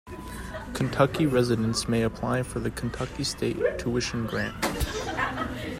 Kentucky residents may apply for the Kentucky State Tuition Grant.